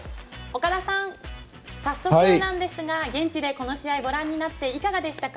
岡田さん、早速なんですが現地でこの試合をご覧になっていかがでしたか？